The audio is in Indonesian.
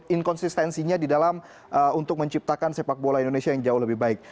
inkonsistensinya di dalam untuk menciptakan sepak bola indonesia yang jauh lebih baik